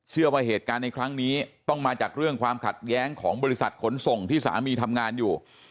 เชื่อว่าเหตุการณ์ในครั้งนี้ต้องมาจากเรื่องความขัดแย้งของบริษัทขนส่งที่สามีทำงานอยู่